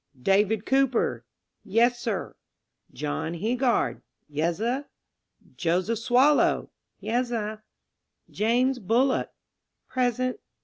"David Cooper."... "Yes, sir." "John Heegard."... "Yezzer." "Joseph Swallow."... "Yesser." "James Bullock."... "Present."